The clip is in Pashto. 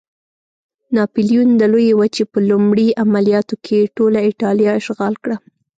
ناپلیون د لویې وچې په لومړي عملیاتو کې ټوله اېټالیا اشغال کړه.